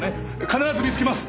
必ず見つけます！